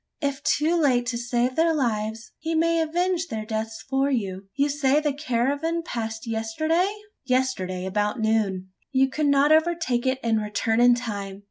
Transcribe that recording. If too late to save their lives, he may avenge their deaths for you. You say the caravan passed yesterday?" "Yesterday about noon." "You could not overtake it, and return in time.